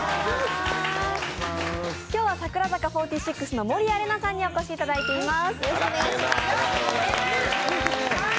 今日は櫻坂４６の守屋麗奈さんにお越しいただいています。